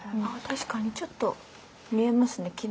確かにちょっと見えますね